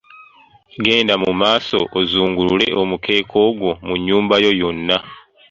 Genda mu maaso ozungulule omukeeka ogwo mu nnyumba yo yonna.